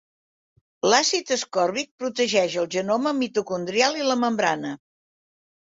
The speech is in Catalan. L'àcid ascòrbic protegeix el genoma mitocondrial i la membrana.